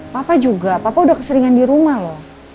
papa juga papa udah keseringan di rumah loh